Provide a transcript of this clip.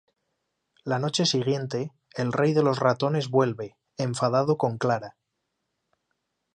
La noche siguiente, el Rey de los Ratones vuelve, enfadado con Clara.